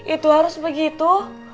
itu harus begitu